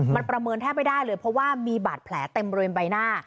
มันประเมินแทบไม่ได้เลยเพราะว่ามีบาดแผลเต็มบริเวณใบหน้า